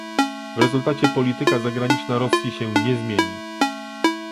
W rezultacie polityka zagraniczna Rosji się nie zmieni